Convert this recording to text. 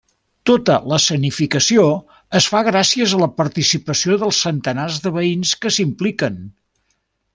Tota l'escenificació es fa gràcies a la participació dels centenars de veïns que s'impliquen.